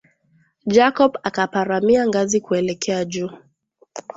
Jacob akaparamia ngazi kuelekea juu